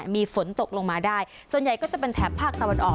มีฝนตกลงมาได้ส่วนใหญ่ก็จะเป็นแถบภาคตะวันออก